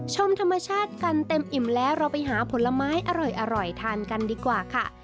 ชมธรรมชาติกันเต็มอิ่มแล้วเราไปหาผลไม้อร่อยทานกันดีกว่าค่ะ